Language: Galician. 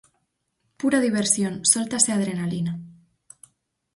Pura diversión, sóltase a adrenalina.